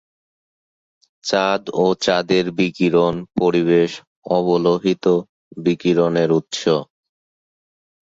চাঁদ এবং চাঁদের বিকিরণ পরিবেশ অবলোহিত বিকিরণের উৎস।